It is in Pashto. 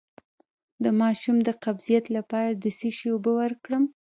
د ماشوم د قبضیت لپاره د څه شي اوبه ورکړم؟